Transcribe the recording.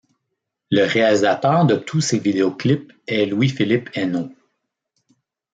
Le réalisateur de tous ces vidéoclips est Louis-Philippe Eno.